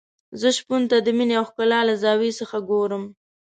زه شپون ته د مينې او ښکلا له زاویې څخه ګورم.